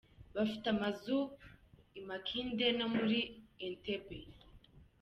Bafite amazu i Makindye no muri Entebbe.